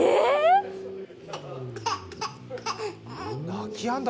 泣きやんだ！？